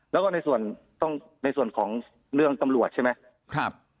แล้วก็ในส่วนต้องในส่วนของเรื่องตำรวจใช่ไหม